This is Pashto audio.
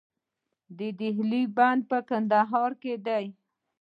د دهلې بند په کندهار کې دی